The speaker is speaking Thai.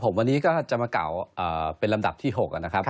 ผมวันนี้ก็จะมาเก่าเป็นลำดับที่๖นะครับ